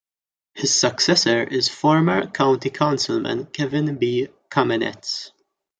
His successor is former county councilman Kevin B. Kamenetz.